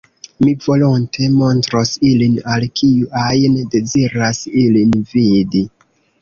Mi volonte montros ilin al kiu ajn deziras ilin vidi.